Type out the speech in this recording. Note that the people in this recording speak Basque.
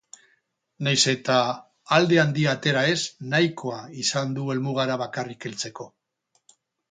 Nahiz eta alde handia atera ez nahikoa izan du helmugara bakarrik heltzeko.